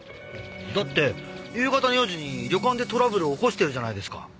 だって夕方の４時に旅館でトラブルを起こしてるじゃないですか。